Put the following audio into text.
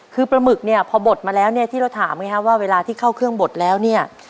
คือปลาหมึกเนี่ยพอบดมาแล้วเนี่ยที่เราถามไงฮะว่าเวลาที่เข้าเครื่องบดแล้วเนี่ย